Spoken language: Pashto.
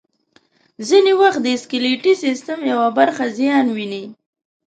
ځینې وخت د سکلیټي سیستم یوه برخه زیان ویني.